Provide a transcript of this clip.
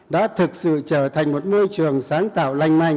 đã thực sự trở thành một môi trường sáng tạo lành mạnh